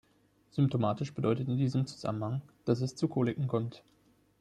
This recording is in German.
Symptomatisch bedeutet in diesem Zusammenhang, dass es zu Koliken kommt.